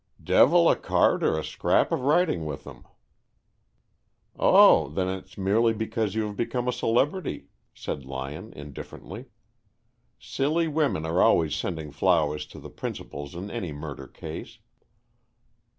"Devil a card or a scrap of writing with them." "Oh, then it's merely because you have become a celebrity," said Lyon, indifferently. "Silly women are always sending flowers to the principals in any murder case."